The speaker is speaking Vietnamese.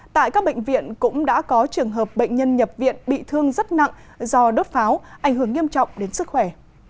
tại các bệnh viện cũng đã có trường hợp bệnh nhân nhập viện bị thương rất nặng do đốt pháo ảnh hưởng nghiêm trọng đến sức khỏe